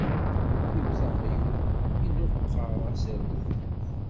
Iwwet aɣyul, inuqeṛ aserdun.